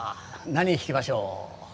何弾きましょう？